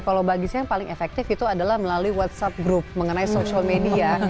kalau bagi saya yang paling efektif itu adalah melalui whatsapp group mengenai social media